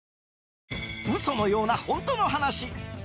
嘘のような本当の話。